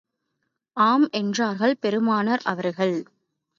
ஆம் என்றார்கள் பெருமானார் அவர்கள்.